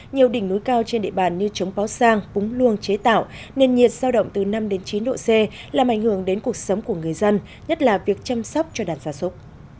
nhiều đỉnh núi cao trên địa bàn như trống báo sang búng luông chế tạo nền nhiệt sao động từ năm đến chín độ c làm ảnh hưởng đến cuộc sống của người dân nhất là việc chăm sóc cho đàn gia súc